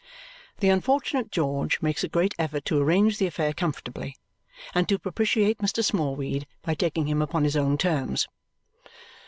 The unfortunate George makes a great effort to arrange the affair comfortably and to propitiate Mr. Smallweed by taking him upon his own terms.